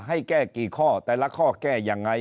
ให้แก้กี่ข้อแต่ละข้อแก้ยังไง